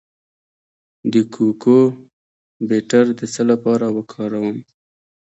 د کوکو بټر د څه لپاره وکاروم؟